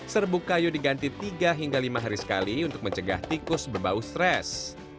serbuk kayu diganti tiga hingga lima hari sekali untuk mencegah tikus berbau stres